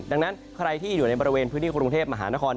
ดังนั้นใครที่อยู่ในบริเวณพื้นที่กรุงเทพมหานคร